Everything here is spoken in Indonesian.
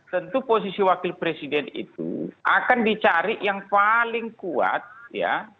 tentu posisi wakil presiden itu akan dicari yang paling kuat ya